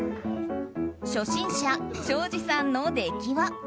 初心者・庄司さんの出来は。